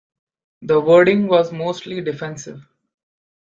The wording was mostly defensive.